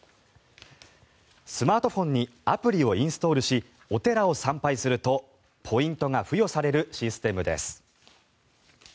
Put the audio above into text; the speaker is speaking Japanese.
スマートフォンにアプリをインストールしお寺を参拝するとポイントが付与されるシステムです。